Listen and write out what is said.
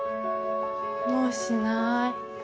もうしない。